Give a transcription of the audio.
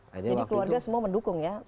jadi keluarga semua mendukung ya